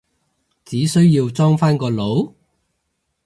只需要裝返個腦？